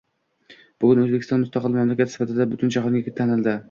Bugun Oʻzbekiston mustaqil mamlakat sifatida butun jahonga tanildi.